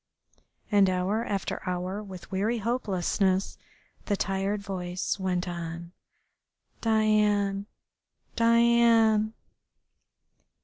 And hour after hour with weary hopelessness the tired voice went on "Diane, Diane...."